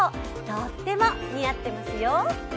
とっても似合ってますよ。